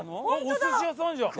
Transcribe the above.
お寿司屋さんじゃん。